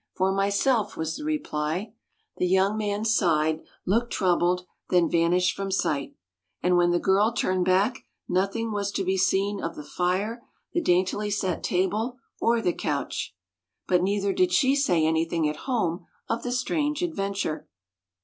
" For myself," was the reply. The young man sighed, looked troubled, then vanished from sight. And when the girl turned back, nothing was to be seen of the fire, the daintily set table, or the couch. But neither did she say anything at home of the strange adventure.